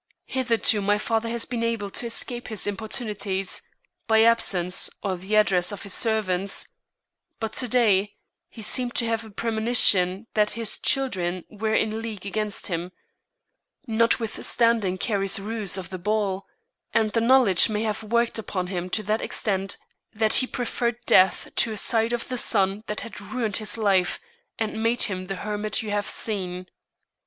Hitherto my father has been able to escape his importunities, by absence or the address of his servants, but to day he seemed to have a premonition that his children were in league against him, notwithstanding Carrie's ruse of the ball, and the knowledge may have worked upon him to that extent that he preferred death to a sight of the son that had ruined his life and made him the hermit you have seen."